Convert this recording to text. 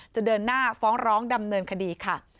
จะเดินหน้าฟ้องร้องดำเนินคดีค่ะ